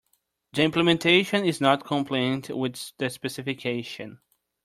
The implementation is not compliant with the specification.